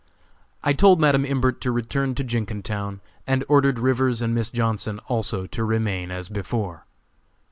I told Madam Imbert to return to Jenkintown, and ordered Rivers and Miss Johnson also to remain as before.